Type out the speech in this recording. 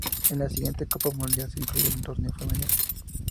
En la siguiente Copa Mundial, se incluyó el torneo femenino.